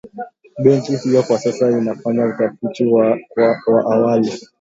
Benki hiyo kwa sasa inafanya utafiti wa awali